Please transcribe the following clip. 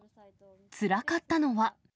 つらかったのは。